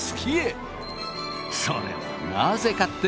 それはなぜかって？